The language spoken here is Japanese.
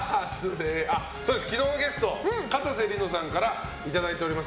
昨日のゲストかたせ梨乃さんからいただいております